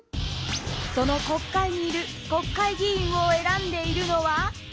その国会にいる国会議員を選んでいるのは？